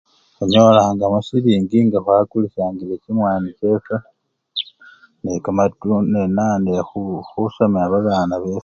Khunyolangamo chisilingi nga khwakulisyangile chimwani chefwe nekamatu! nena! khu! khusomya babana befwe.